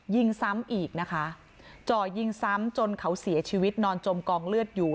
ยิงซ้ำอีกนะคะจ่อยิงซ้ำจนเขาเสียชีวิตนอนจมกองเลือดอยู่